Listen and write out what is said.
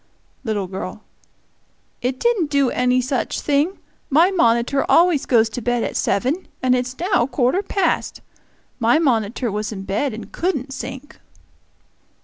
Little girl. "It didn't do any such thing. My monitor always goes to bed at seven, and it's now quarter past. My monitor was in bed and couldn't sink!"